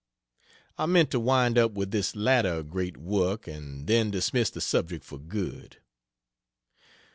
I meant to wind up with this latter great work, and then dismiss the subject for good.